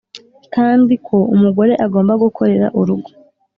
kandi ko umugore agomba gukorera urugo